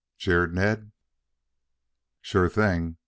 jeered Ned. "Sure thing.